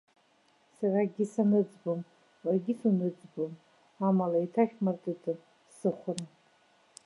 Сара акгьы саныӡбом, уаргьы суныӡбом, амала еиҭашәмыртытын сыхәра.